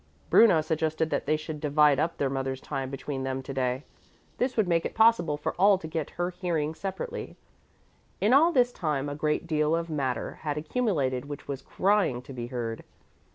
Bruno suggested that they should divide up their mother's time between them to day. This would make it possible for all to get her hearing separately. In all this time a great deal of matter had accumulated which was crying to be heard.